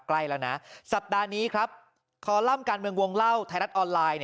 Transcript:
ใกล้แล้วนะสัปดาห์นี้ครับคอลัมป์การเมืองวงเล่าไทยรัฐออนไลน์